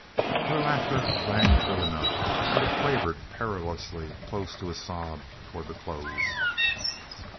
_" Her laughter rang true enough, but it quavered perilously close to a sob towards the close.